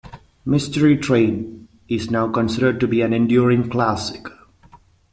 "Mystery Train" is now considered to be an "enduring classic".